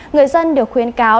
người dân được khuyên cáo